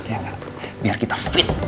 kita istirahat ya gak cass